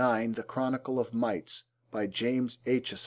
(9) The Chronicle of Mites. By James Aitchison.